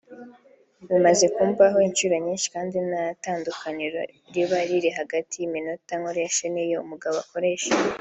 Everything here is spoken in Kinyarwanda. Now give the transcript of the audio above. bimaze kumbaho inshuro nyinshi kandi nta tandukaniro riba riri hagati y’iminota nkoresha n’iyo umugabo akoresha